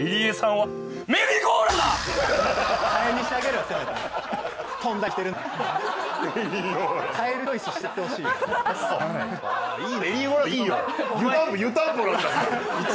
はい。